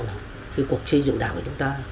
cái cuộc xây dựng đảng của chúng ta